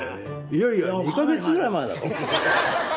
いやいや２カ月ぐらい前だよ。